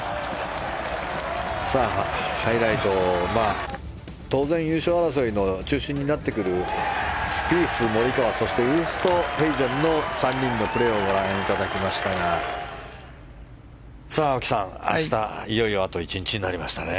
ハイライトは当然、優勝争いの中心になってくるスピース、モリカワそしてウーストヘイゼンの３人のプレーをご覧いただきましたが青木さん、明日いよいよあと１日になりました。